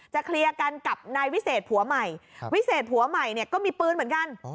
เคลียร์กันกับนายวิเศษผัวใหม่วิเศษผัวใหม่เนี่ยก็มีปืนเหมือนกัน